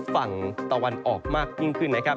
ฝั่งตะวันออกมากยิ่งขึ้นนะครับ